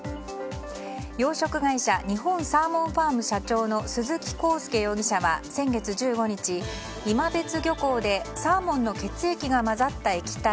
養殖会社日本サーモンファーム社長の鈴木宏介容疑者は先月１５日、今別漁港でサーモンの血液が混ざった液体